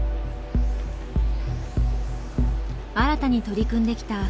新たに取り組んできた